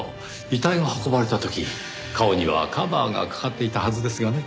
遺体が運ばれた時顔にはカバーがかかっていたはずですがね。